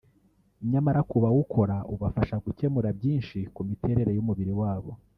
nyamara ku bawukora ubafasha gukemura byinshi ku miterere y’umubiri wabo